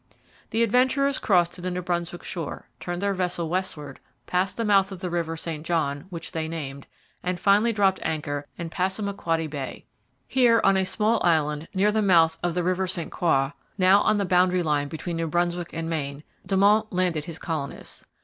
The adventurers crossed to the New Brunswick shore, turned their vessel westward, passed the mouth of the river St John, which they named, and finally dropped anchor in Passamaquoddy Bay. Here, on a small island near the mouth of the river St Croix, now on the boundary line between New Brunswick and Maine, De Monts landed his colonists.